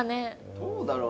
どうだろう？